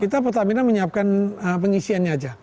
kita pertamina menyiapkan pengisiannya aja